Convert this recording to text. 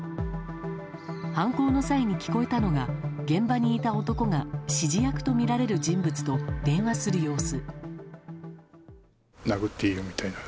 犯行の際に聞こえたのが現場にいた男が指示役とみられる人物と電話する様子。